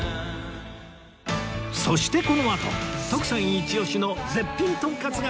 そしてこのあと徳さんイチオシの絶品とんかつが登場